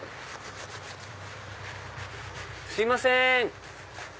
すいません。